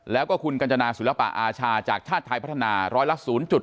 แล้วก็คุณกัญจนาศิลปะอาชาจากชาติไทยพัฒนาร้อยละ๐๘